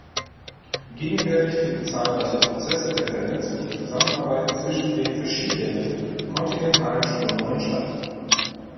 Gegenwärtig finden zahlreiche Prozesse der Vernetzung und Zusammenarbeit zwischen den verschiedenen kontinentalen Strömungen statt.